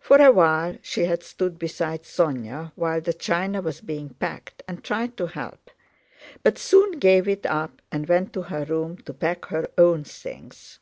For a while she had stood beside Sónya while the china was being packed and tried to help, but soon gave it up and went to her room to pack her own things.